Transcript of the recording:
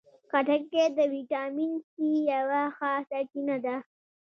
خټکی د ویټامین سي یوه ښه سرچینه ده.